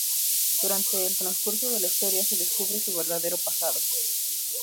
Durante el transcurso de la historia se descubre su verdadero pasado.